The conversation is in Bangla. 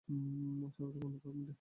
আচ্ছা, ও কোন ডিপার্টমেন্টে আছে?